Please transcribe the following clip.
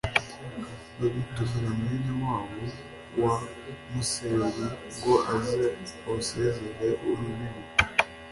batumira mwene wabo wa musereri, ngo aze awusezere urubibi.